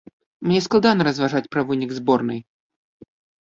Мне складана разважаць пра вынік зборнай.